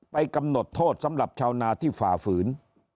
กำหนดโทษสำหรับชาวนาที่ฝ่าฝืน